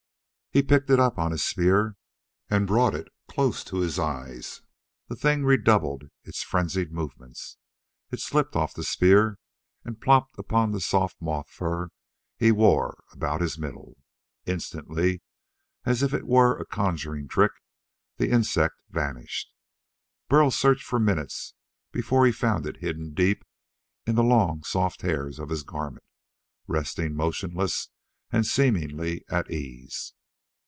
He picked it up on his spear and brought it close to his eyes. The thing redoubled its frenzied movements. It slipped off the spear and plopped upon the soft moth fur he wore about his middle. Instantly, as if it were a conjuring trick, the insect vanished. Burl searched for minutes before he found it hidden deep in the long, soft hairs of his garment, resting motionless and seemingly at ease.